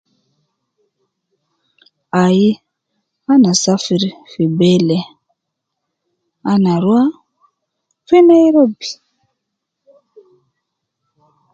Ai ana safir fi bele, ana ruwa fi Nairobi